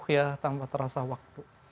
ya tanpa terasa waktu